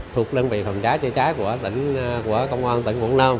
thuộc đơn vị phòng cháy chữa cháy của công an tỉnh quảng nam